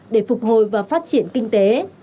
để phục hồi và phát triển kinh tế